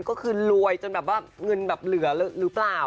ก็คือรวยจนแบบว่าเงินแบบเหลือหรือเปล่า